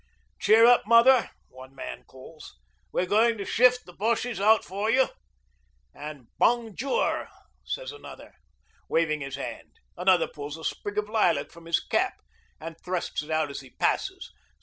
'Cheer up, mother,' one man calls. 'We're goin' to shift the Boshies out for you,' and 'Bong jewer,' says another, waving his hand. Another pulls a sprig of lilac from his cap and thrusts it out as he passes.